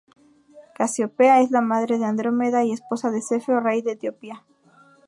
Casiopea es la madre de Andrómeda y esposa de Cefeo, rey de Etiopía.